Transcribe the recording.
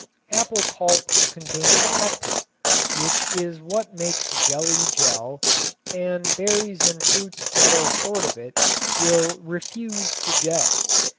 Apple pulp contains pectin, which is what makes jelly jell, and berries and fruits that are short of it will refuse to "jell."